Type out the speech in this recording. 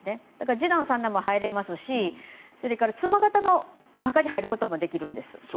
次男、三男も入れますし妻方のお墓に入ることもできるんです。